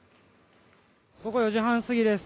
午後４時半過ぎです。